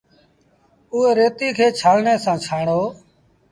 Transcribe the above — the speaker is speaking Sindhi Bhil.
اُئي ريتيٚ کي ڇآڻڻي سآݩ ڇآڻو۔